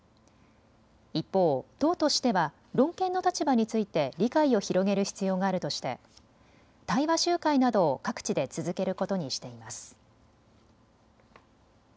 一方、党としては論憲の立場について理解を広げる必要があるとして対話集会などを各地で続けることにしています。